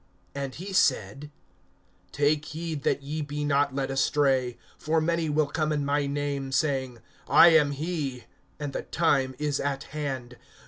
(8)And he said: Take heed that ye be not led astray. For many will come in my name, saying: I am he, and the time is at hand.